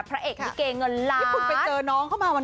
พระเอกรีเกเงินล้าน